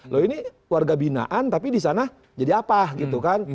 loh ini warga binaan tapi di sana jadi apa gitu kan